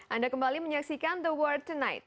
anda kembali menyaksikan the world tonight